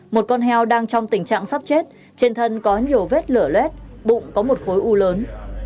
một con heo đang trong tình trạng sắp chết trên thân có nhiều vết lửa lét bụng có một khối u lớn